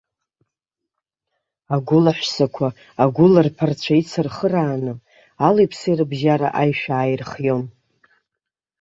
Агәыла ҳәсақәа, агәыла рԥарцәа ицырхырааны, али-ԥси рыбжьара аишәа ааирхион.